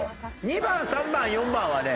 ２番３番４番はね